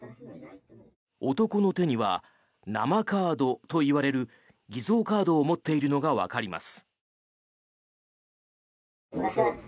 男の手には生カードといわれる偽造カードを持っているのがわかります。